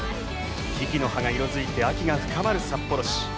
木々の葉が色づいて秋が深まる札幌市。